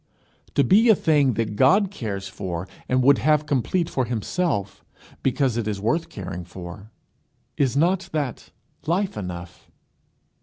To be a thing that God cares for and would have complete for himself, because it is worth caring for is not that life enough?